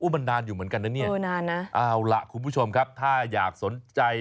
มันนานอยู่เหมือนกันนะเนี่ยเอาล่ะคุณผู้ชมครับถ้าอยากสนใจ